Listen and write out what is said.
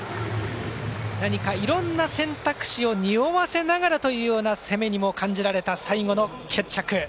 何かいろんな選択肢をにおわせながらという攻めにも感じられた最後の決着。